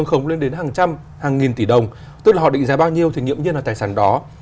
nhiễm nhiên là tài sản đó